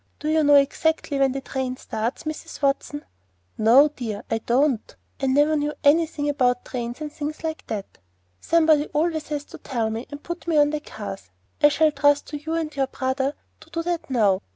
Do you know exactly when the train starts, Mrs. Watson?" "No, dear, I don't. I never know anything about trains and things like that. Somebody always has to tell me, and put me on the cars. I shall trust to you and your brother to do that now.